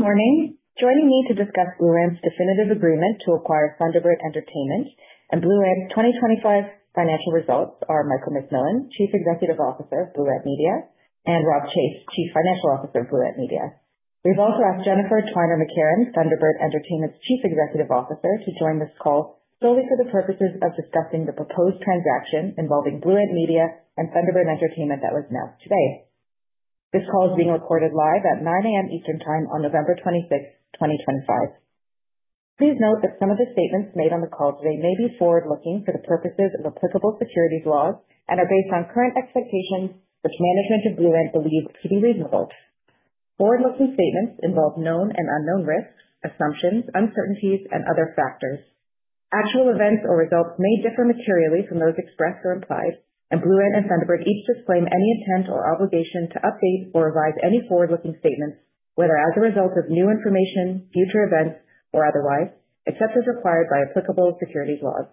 Good morning. Joining me to discuss Blue Ant's definitive agreement to acquire Thunderbird Entertainment and Blue Ant's 2025 financial results are Michael MacMillan, Chief Executive Officer of Blue Ant Media, and Robb Chase, Chief Financial Officer of Blue Ant Media. We've also asked Jennifer Twiner-McCarron, Thunderbird Entertainment's Chief Executive Officer, to join this call solely for the purposes of discussing the proposed transaction involving Blue Ant Media and Thunderbird Entertainment that was announced today. This call is being recorded live at 9:00 A.M. Eastern Time on November 26th, 2025. Please note that some of the statements made on the call today may be forward-looking for the purposes of applicable securities laws and are based on current expectations, which management of Blue Ant believes to be reasonable. Forward-looking statements involve known and unknown risks, assumptions, uncertainties, and other factors. Actual events or results may differ materially from those expressed or implied, and Blue Ant and Thunderbird each disclaim any intent or obligation to update or revise any forward-looking statements, whether as a result of new information, future events, or otherwise, except as required by applicable securities laws.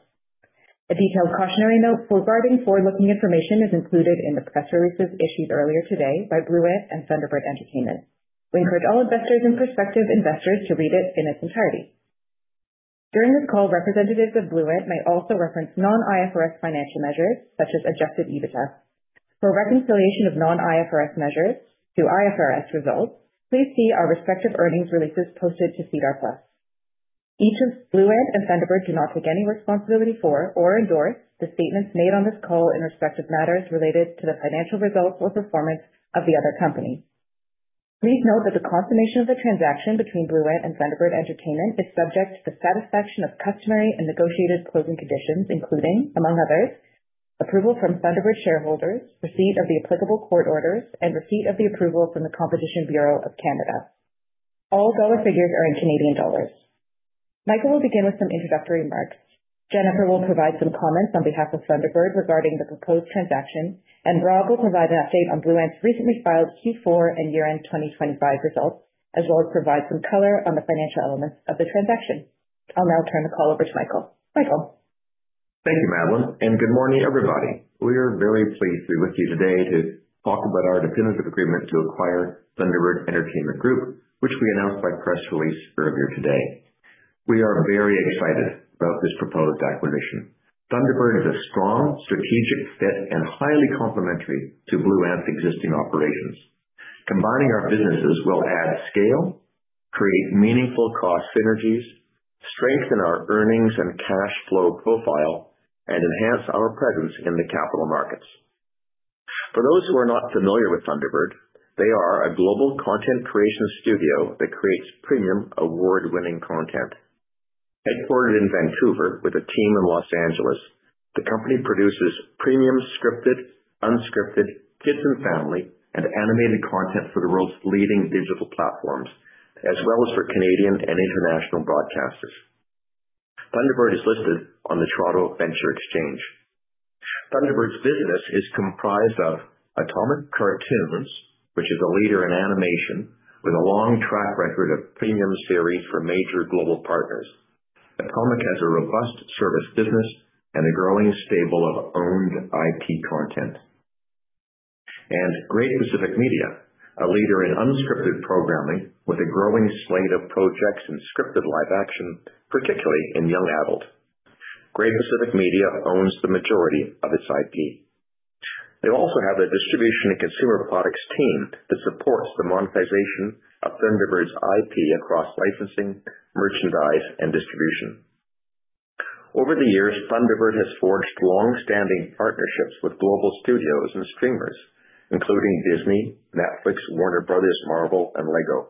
A detailed cautionary note regarding forward-looking information is included in the press releases issued earlier today by Blue Ant and Thunderbird Entertainment. We encourage all investors and prospective investors to read it in its entirety. During this call, representatives of Blue Ant may also reference non-IFRS financial measures, such as adjusted EBITDA. For reconciliation of non-IFRS measures to IFRS results, please see our respective earnings releases posted to SEDAR+. Each of Blue Ant and Thunderbird do not take any responsibility for or endorse the statements made on this call in respect of matters related to the financial results or performance of the other company. Please note that the consummation of the transaction between Blue Ant and Thunderbird Entertainment is subject to the satisfaction of customary and negotiated closing conditions, including, among others, approval from Thunderbird shareholders, receipt of the applicable court orders, and receipt of the approval from the Competition Bureau of Canada. All dollar figures are in Canadian dollar. Michael will begin with some introductory remarks. Jennifer will provide some comments on behalf of Thunderbird regarding the proposed transaction, and Robb will provide an update on Blue Ant's recently filed Q4 and year-end 2025 results, as well as provide some color on the financial elements of the transaction. I'll now turn the call over to Michael. Michael. Thank you, Madeleine, and good morning, everybody. We are very pleased to be with you today to talk about our definitive agreement to acquire Thunderbird Entertainment Group, which we announced by press release earlier today. We are very excited about this proposed acquisition. Thunderbird is a strong strategic fit and highly complementary to Blue Ant's existing operations. Combining our businesses will add scale, create meaningful cost synergies, strengthen our earnings and cash flow profile, and enhance our presence in the capital markets. For those who are not familiar with Thunderbird, they are a global content creation studio that creates premium, award-winning content. Headquartered in Vancouver with a team in Los Angeles, the company produces premium scripted, unscripted, kids and family, and animated content for the world's leading digital platforms, as well as for Canadian and international broadcasters. Thunderbird is listed on the Toronto Venture Exchange. Thunderbird's business is comprised of Atomic Cartoons, which is a leader in animation, with a long track record of premium series for major global partners. Atomic has a robust service business and a growing stable of owned IP content. Great Pacific Media, a leader in unscripted programming, has a growing slate of projects in scripted live action, particularly in Young Adult. Great Pacific Media owns the majority of its IP. They also have a distribution and consumer products team that supports the monetization of Thunderbird's IP across licensing, merchandise, and distribution. Over the years, Thunderbird has forged long-standing partnerships with global studios and streamers, including Disney, Netflix, Warner Bros., Marvel, and Lego.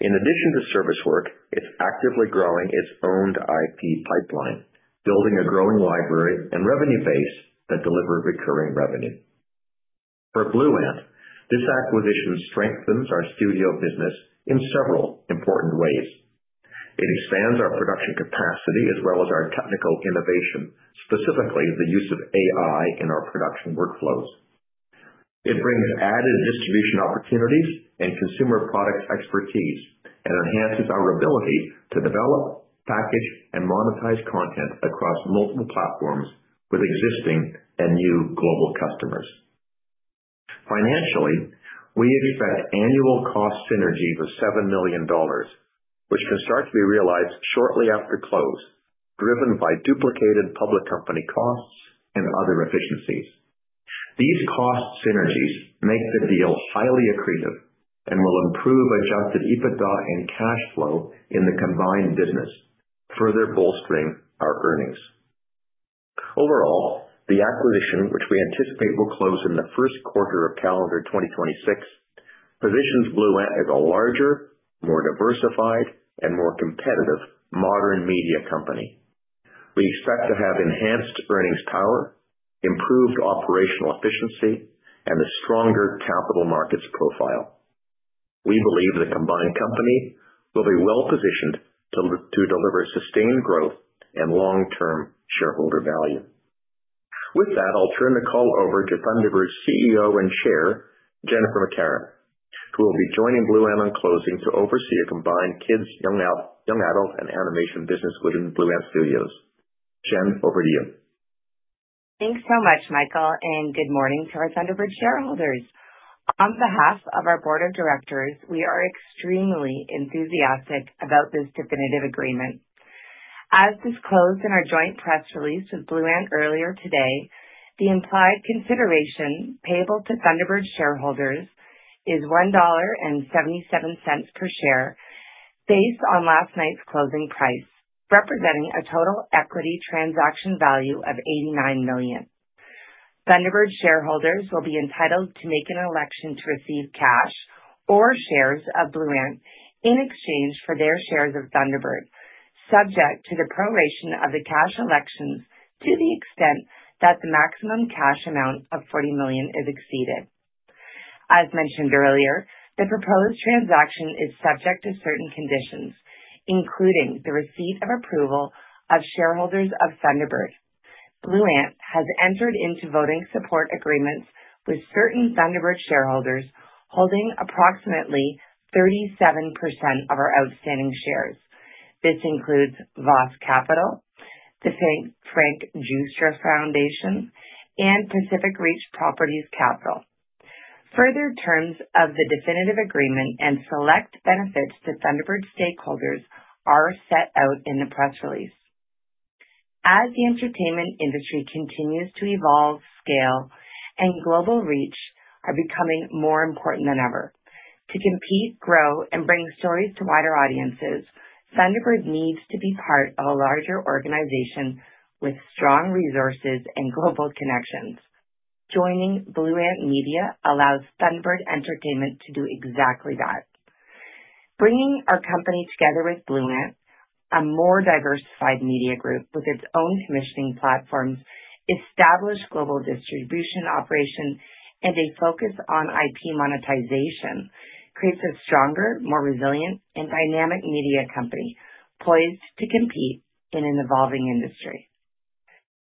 In addition to service work, it is actively growing its owned IP pipeline, building a growing library and revenue base that deliver recurring revenue. For Blue Ant, this acquisition strengthens our studio business in several important ways. It expands our production capacity as well as our technical innovation, specifically the use of AI in our production workflows. It brings added distribution opportunities and consumer products expertise and enhances our ability to develop, package, and monetize content across multiple platforms with existing and new global customers. Financially, we expect annual cost synergies of 7 million dollars, which can start to be realized shortly after close, driven by duplicated public company costs and other efficiencies. These cost synergies make the deal highly accretive and will improve adjusted EBITDA and cash flow in the combined business, further bolstering our earnings. Overall, the acquisition, which we anticipate will close in the first quarter of calendar 2026, positions Blue Ant as a larger, more diversified, and more competitive modern media company. We expect to have enhanced earnings power, improved operational efficiency, and a stronger capital markets profile. We believe the combined company will be well positioned to deliver sustained growth and long-term shareholder value. With that, I'll turn the call over to Thunderbird's CEO and Chair, Jennifer McCarron, who will be joining Blue Ant on closing to oversee a combined kids, young adult, and animation business within Blue Ant Studios. Jen, over to you. Thanks so much, Michael, and good morning to our Thunderbird shareholders. On behalf of our board of directors, we are extremely enthusiastic about this definitive agreement. As disclosed in our joint press release with Blue Ant earlier today, the implied consideration payable to Thunderbird shareholders is 1.77 dollar per share based on last night's closing price, representing a total equity transaction value of 89 million. Thunderbird shareholders will be entitled to make an election to receive cash or shares of Blue Ant in exchange for their shares of Thunderbird, subject to the proration of the cash elections to the extent that the maximum cash amount of 40 million is exceeded. As mentioned earlier, the proposed transaction is subject to certain conditions, including the receipt of approval of shareholders of Thunderbird. Blue Ant has entered into voting support agreements with certain Thunderbird shareholders holding approximately 37% of our outstanding shares. This includes Voss Capital, the St. Francis Jewish Foundation, and Pacific Reach Properties Capital. Further terms of the definitive agreement and select benefits to Thunderbird stakeholders are set out in the press release. As the entertainment industry continues to evolve, scale, and global reach are becoming more important than ever. To compete, grow, and bring stories to wider audiences, Thunderbird needs to be part of a larger organization with strong resources and global connections. Joining Blue Ant Media allows Thunderbird Entertainment to do exactly that. Bringing our company together with Blue Ant, a more diversified media group with its own commissioning platforms, established global distribution operations, and a focus on IP monetization creates a stronger, more resilient, and dynamic media company poised to compete in an evolving industry.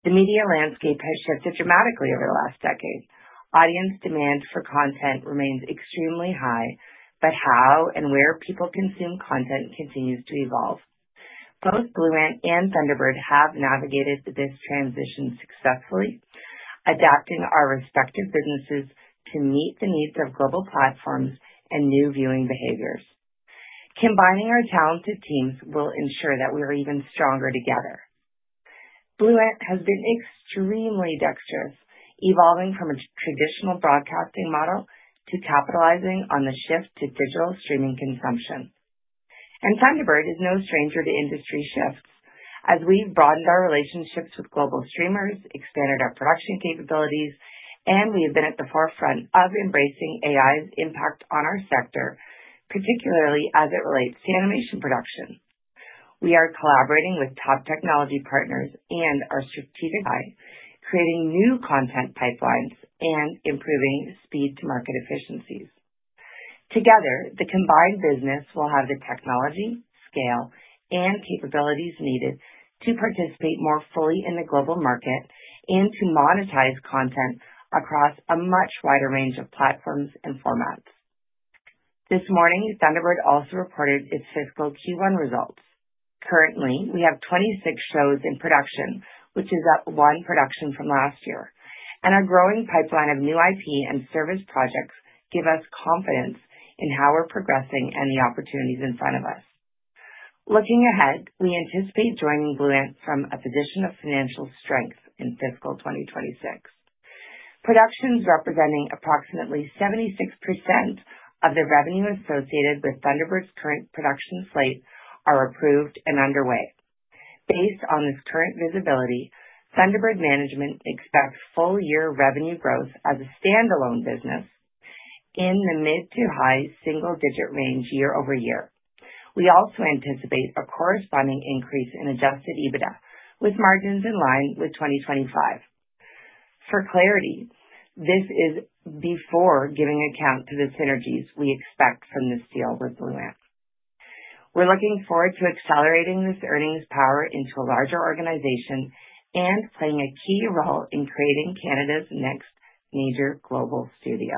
The media landscape has shifted dramatically over the last decade. Audience demand for content remains extremely high, but how and where people consume content continues to evolve. Both Blue Ant and Thunderbird have navigated this transition successfully, adapting our respective businesses to meet the needs of global platforms and new viewing behaviors. Combining our talented teams will ensure that we are even stronger together. Blue Ant has been extremely dexterous, evolving from a traditional broadcasting model to capitalizing on the shift to digital streaming consumption. Thunderbird is no stranger to industry shifts. As we've broadened our relationships with global streamers, expanded our production capabilities, and we have been at the forefront of embracing AI's impact on our sector, particularly as it relates to animation production. We are collaborating with top technology partners and our strategic ally, creating new content pipelines and improving speed-to-market efficiencies. Together, the combined business will have the technology, scale, and capabilities needed to participate more fully in the global market and to monetize content across a much wider range of platforms and formats. This morning, Thunderbird also reported its fiscal Q1 results. Currently, we have 26 shows in production, which is up one production from last year. Our growing pipeline of new IP and service projects gives us confidence in how we're progressing and the opportunities in front of us. Looking ahead, we anticipate joining Blue Ant from a position of financial strength in fiscal 2026. Productions representing approximately 76% of the revenue associated with Thunderbird's current production slate are approved and underway. Based on this current visibility, Thunderbird management expects full-year revenue growth as a standalone business in the mid to high single-digit range year over year. We also anticipate a corresponding increase in adjusted EBITDA, with margins in line with 2025. For clarity, this is before giving account to the synergies we expect from this deal with Blue Ant. We're looking forward to accelerating this earnings power into a larger organization and playing a key role in creating Canada's next major global studio.